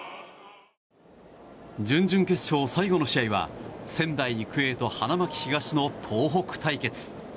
準々決勝最後に試合は仙台育英と花巻東の東北対決。